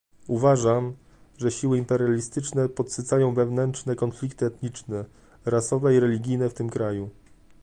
Uważam, że siły imperialistyczne podsycają wewnętrzne konflikty etniczne, rasowe i religijne w tym kraju